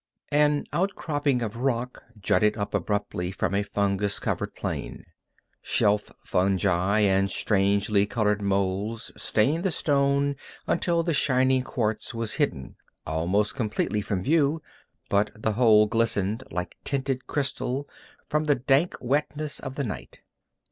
An outcropping of rock jutted up abruptly from a fungus covered plain. Shelf fungi and strangely colored molds stained the stone until the shining quartz was hidden almost completely from view, but the whole glistened like tinted crystal from the dank wetness of the night.